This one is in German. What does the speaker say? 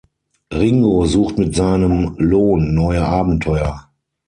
Ringo sucht mit seinem Lohn neue Abenteuer.